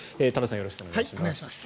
よろしくお願いします。